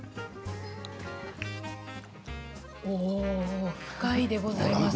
おお、深いでございます。